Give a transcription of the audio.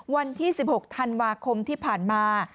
วันที่๑๖ธันวาคมที่ผ่านมา